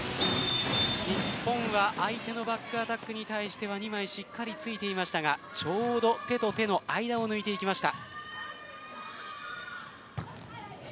日本は相手のバックアタックに対しては２枚しっかりついていましたがちょうど手と手の間を抜いていきました。